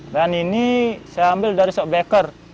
dan ini saya ambil dari shop backer